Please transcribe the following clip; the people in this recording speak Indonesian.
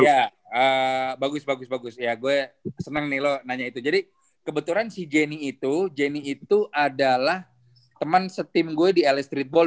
iya bagus bagus bagus ya gue seneng nih lo nanya itu jadi kebetulan si jenny itu jenny itu adalah teman setim gue di la streetball dua ribu dua belas